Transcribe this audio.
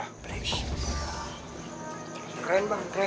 keren bang keren